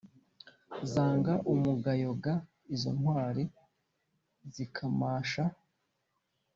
Zanga umugayo ga izo ntwari zikamasha